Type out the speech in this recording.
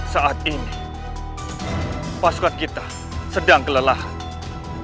saat ini pasukan kita sedang kelelahan